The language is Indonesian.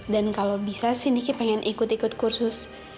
kalau bisa sih niki pengen ikut ikut kursus